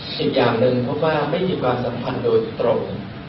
อ่าอีกอย่างนึงเพราะว่าไม่มีการสัมพันธ์โดยตรง